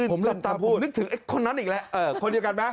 ผมนึกถึงคนนั้นอีกแล้ว